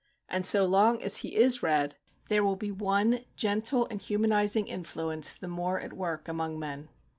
And so long as he is read, there will be one gentle and humanizing influence the more at work among men.